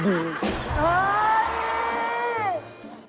เฮ่ย